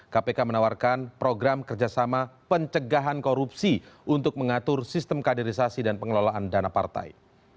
kpk menawarkan program kerjasama pencegahan korupsi untuk mengatur sistem kaderisasi dan pengelolaan dana partai